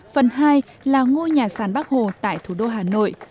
phần hai là ngôi nhà sàn bắc hồ tại thủ đô hà nội